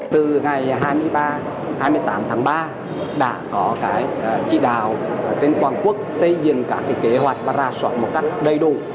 từ ngày hai mươi ba hai mươi tám tháng ba đã có cái trị đào trên quảng quốc xây dựng các kế hoạch và ra soát một cách đầy đủ